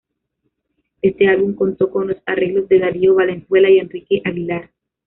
Este álbum contó con los arreglos de Darío Valenzuela y Enrique Aguilar.